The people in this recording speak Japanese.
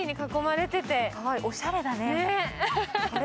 おしゃれだね。